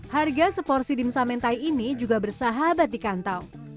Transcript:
harga seporsi dimsum mentai ini juga bersahabat di kantong